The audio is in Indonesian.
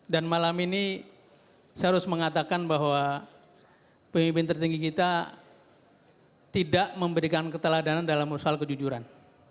dan malam ini saya harus mengatakan bahwa pemimpin tertinggi kita tidak memberikan keteladanan dalam hal hal kejujuran